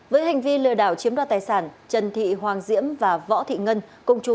với hành vi lừa đảo chiếm đoạt tài sản trần thị hoàng diễm và võ thị ngân